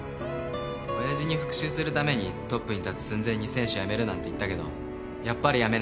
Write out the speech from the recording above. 親父に復讐するためにトップに立つ寸前に選手やめるなんて言ったけどやっぱりやめない。